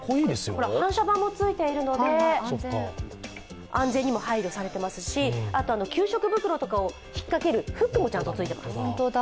ほら、反射板もついているので安全にも配慮していますしあと給食袋とかを引っかけるフックもちゃんとついてます。